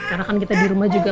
karena kan kita dirumah juga